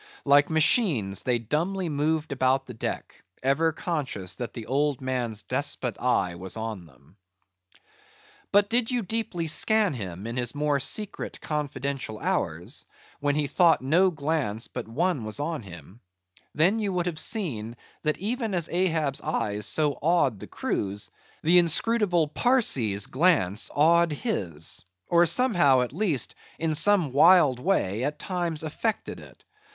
Like machines, they dumbly moved about the deck, ever conscious that the old man's despot eye was on them. But did you deeply scan him in his more secret confidential hours; when he thought no glance but one was on him; then you would have seen that even as Ahab's eyes so awed the crew's, the inscrutable Parsee's glance awed his; or somehow, at least, in some wild way, at times affected it.